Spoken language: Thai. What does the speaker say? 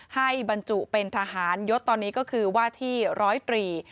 บรรจุเป็นทหารยศตอนนี้ก็คือว่าที่ร้อยตรี